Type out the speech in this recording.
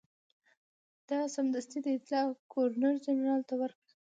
ده سمدستي دا اطلاع ګورنرجنرال ته ورکړه.